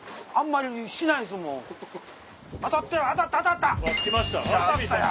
当たった当たった！